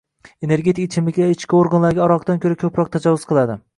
Energetik ichimliklar ichki organlarga aroqdan koʻra koʻproq tajovuz qiladi.